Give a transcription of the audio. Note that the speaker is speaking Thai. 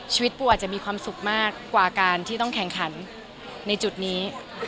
ชีวิตปูอาจจะมีความสุขมากกว่าการที่ต้องแข่งขันในจุดนี้